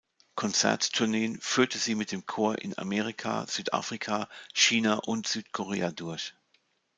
Konzerttourneen führte sie mit dem Chor in Amerika, Südafrika, China und Südkorea durch.